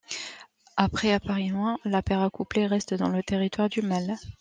Après appariement, la paire accouplée reste dans le territoire du mâle.